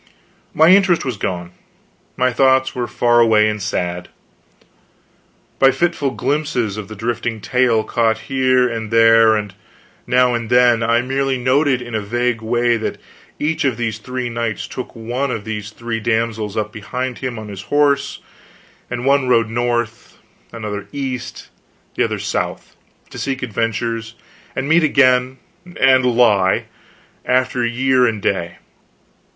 My interest was gone, my thoughts were far away, and sad. By fitful glimpses of the drifting tale, caught here and there and now and then, I merely noted in a vague way that each of these three knights took one of these three damsels up behind him on his horse, and one rode north, another east, the other south, to seek adventures, and meet again and lie, after year and day.